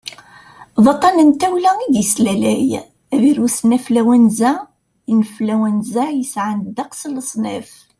d aṭṭan n tawla i d-yeslalay ubirus n anflwanza influenza yesɛan ddeqs n leṣnaf